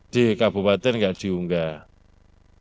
di kabupaten nggak diunggah